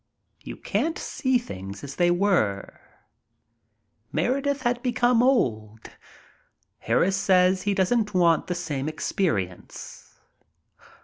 You can't see things as they were. Meredith had become old. Harris says he doesn't want the same experi ence.